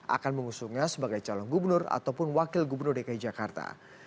akan mengusungnya sebagai calon gubernur ataupun wakil gubernur dki jakarta